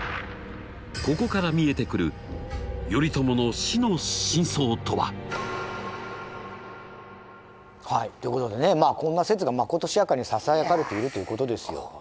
ここから見えてくるはいということでねこんな説がまことしやかにささやかれているということですよ。